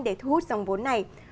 để thu hút dòng vốn này